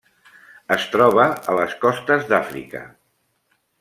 Es troba a les costes d'Àfrica.